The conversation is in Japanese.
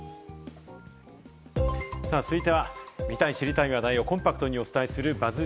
続いては、見たい、知りたい話題をコンパクトにお伝えするＢＵＺＺ